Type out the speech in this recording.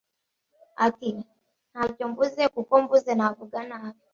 ati “Ntacyo mvuze kuko mvuze navuga nabi